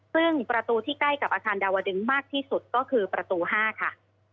ซึ่งประตูที่ใกล้กับอาคารดาวดึงมากที่สุดก็คือประตู๕ค่ะ